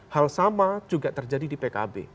hal sama juga terjadi di pkb